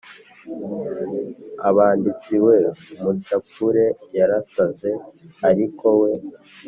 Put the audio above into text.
abanditsi, “we, mumucapure, 'yarasaze ariko we'